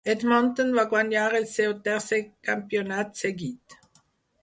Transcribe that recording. Edmonton va guanyar el seu tercer campionat seguit.